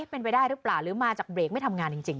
เป็นไปได้หรือเปล่าหรือมาจากเบรกไม่ทำงานจริง